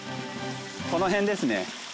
この辺ですね。